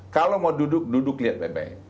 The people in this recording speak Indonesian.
kalau mau duduk duduk lihat bebek